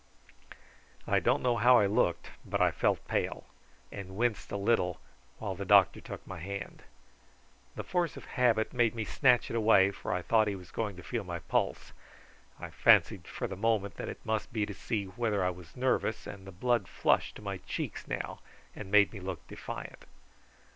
I don't know how I looked, but I felt pale, and winced a little, while the doctor took my hand. The force of habit made me snatch it away, for I thought he was going to feel my pulse. I fancied for the moment that it must be to see whether I was nervous, and the blood flushed to my cheeks now, and made me look defiant.